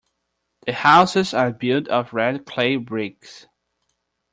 The houses are built of red clay bricks.